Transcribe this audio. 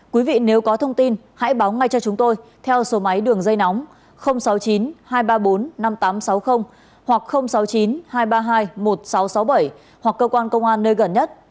quý vị nếu có thông tin hãy báo ngay cho chúng tôi theo số máy đường dây nóng sáu mươi chín hai trăm ba mươi bốn năm nghìn tám trăm sáu mươi hoặc sáu mươi chín hai trăm ba mươi hai một nghìn sáu trăm sáu mươi bảy hoặc cơ quan công an nơi gần nhất